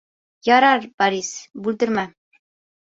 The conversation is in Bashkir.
— Ярар, Борис, бүлдермә.